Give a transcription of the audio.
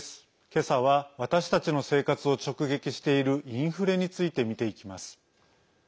今朝は私たちの生活を直撃しているインフレについて見ていきます。